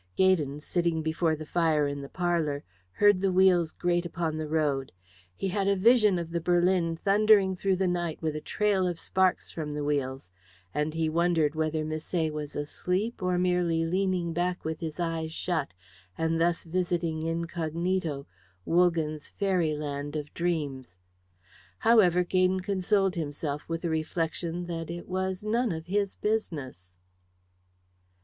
Gaydon, sitting before the fire in the parlour, heard the wheels grate upon the road; he had a vision of the berlin thundering through the night with a trail of sparks from the wheels; and he wondered whether Misset was asleep or merely leaning back with his eyes shut, and thus visiting incognito Woman's fairy land of dreams. However, Gaydon consoled himself with the reflection that it was none of his business.